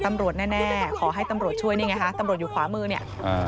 ตำรวจแน่ขอให้ตำรวจช่วยเนี่ยไงฮะตำรวจอยู่ขวามือไหน